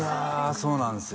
そうなんすよ